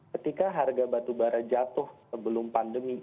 ketika harga batu barat jatuh sebelum pandemi